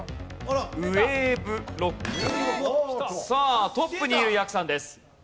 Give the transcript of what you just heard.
さあトップにいるやくさんです。